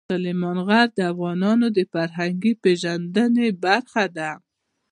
سلیمان غر د افغانانو د فرهنګي پیژندنې برخه ده.